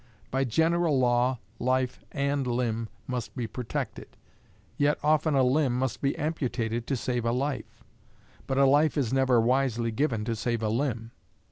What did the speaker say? By general law, life and limb must be protected; yet often a limb must be amputated to save a life; but a life is never wisely given to save a limb.